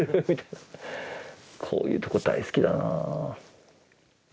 こういうとこ大好きだなあ。